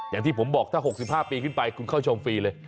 อย่างที่ผมบอกถ้า๖๕ปีขึ้นไปคุณเข้าชมฟรีเลย